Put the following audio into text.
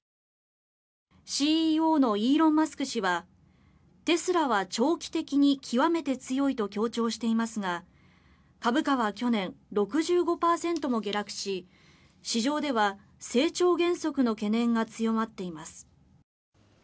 ＣＥＯのイーロン・マスク氏はテスラは長期的に極めて強いと強調していますが株価は去年、６５％も下落し市場では成長減速の懸念が強まっています。